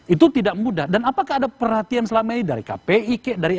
itu tidak mudah dan apakah ada perhatian selama ini dari kpi